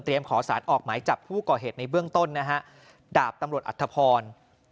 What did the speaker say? ขอสารออกหมายจับผู้ก่อเหตุในเบื้องต้นนะฮะดาบตำรวจอัธพร